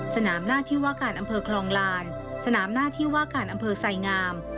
สนามหน้าที่ว่าการอำเภอคลองลานสนามหน้าที่ว่าการอำเภอไสงาม